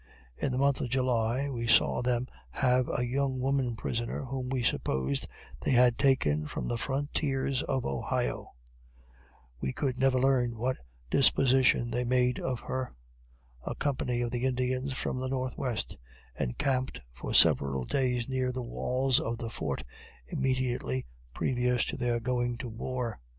In the month of July, we saw them have a young woman prisoner, whom we supposed they had taken from the frontiers of Ohio. We could never learn what disposition they made of her. A company of the Indians from the northwest encamped for several days near the walls of the fort, immediately previous to their going to war.